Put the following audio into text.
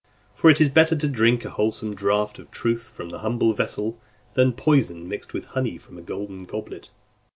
For it is better to drink a wholesome draught of truth from the humble vessel, than poison mixed with honey from a golden goblet.